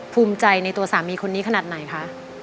ภูมิใจในตัวสามีคนนี้ขนาดไหนคะ